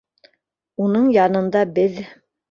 Уның янында беҙ